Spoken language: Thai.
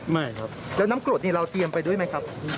ไม่ครับแล้วน้ำกรดนี่เราเตรียมไปด้วยไหมครับ